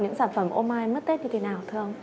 những sản phẩm ô mai mất tết như thế nào thơm